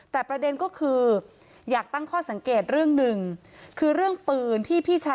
แต่ประเด็นก็คืออยากตั้งข้อสังเกต